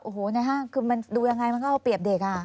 โอ้โหในห้างคือมันดูยังไงมันก็เอาเปรียบเด็กอ่ะ